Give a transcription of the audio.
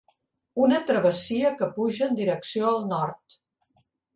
Una travessia que puja en direcció al nord